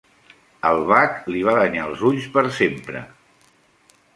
El bac li va danyar els ulls per sempre.